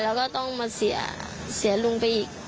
แล้วก็ต้องมาเสียลุงไปอีก